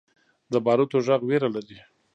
د باروتو غږ ویره لري.